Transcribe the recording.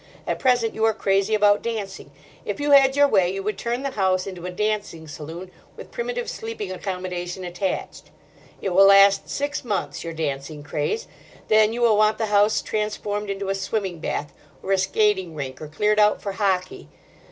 At present you are crazy about dancing. If you had your way, you would turn the house into a dancing saloon with primitive sleeping accommodation attached. It will last six months, your dancing craze. Then you will want the house transformed into a swimming bath, or a skating rink, or cleared out for hockey.